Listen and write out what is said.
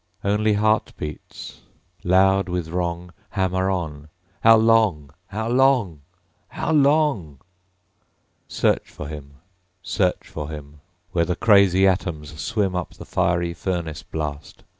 Only heart beats loud with wrong Hammer on, How long? ... How long? How long? Search for him; Search for him; Where the crazy atoms swim Up the fiery furnace blast.